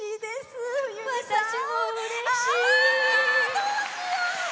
どうしよう！